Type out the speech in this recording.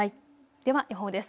では予報です。